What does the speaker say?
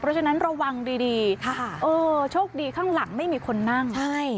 เพราะฉะนั้นระวังดีโชคดีข้างหลังไม่มีคนนั่ง